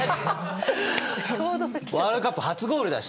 ワールドカップ初ゴールだし。